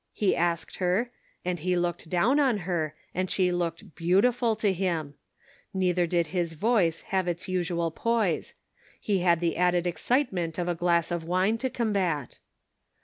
he asked her, and he looked down on her, and she looked beautiful to him ; neither did his voice have its usual poise. He had the added excitement of a glass of wine to combat.